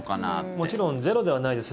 もちろんゼロではないです。